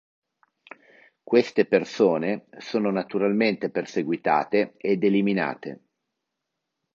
Queste persone sono naturalmente perseguitate ed eliminate.